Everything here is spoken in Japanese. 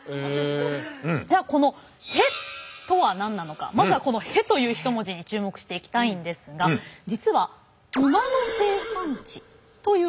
じゃあこのまずはこの「戸」という１文字に注目していきたいんですが実は馬の生産地という意味があるんです。